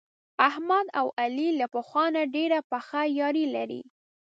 احمد او علي له پخوا نه ډېره پخه یاري لري.